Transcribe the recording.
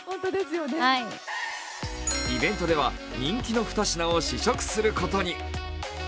イベントでは人気の２品を試食することに。